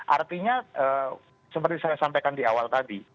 artinya seperti saya sampaikan di awal tadi